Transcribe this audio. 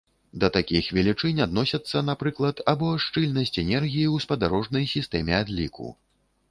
Да такіх велічынь адносяцца, напрыклад, або шчыльнасць энергіі ў спадарожнай сістэме адліку.